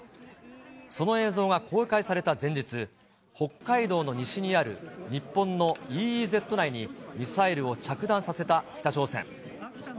その映像が公開された前日、北海道の西にある日本のＥＥＺ内にミサイルを着弾させた北朝鮮。